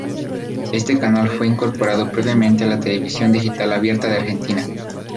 Este canal fue incorporado previamente a la televisión digital abierta de Argentina.